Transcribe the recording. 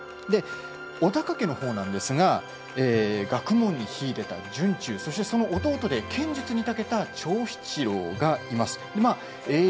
尾高家のほうなんですが学問に秀でた惇忠とその弟で剣術にたけた長七郎がいます。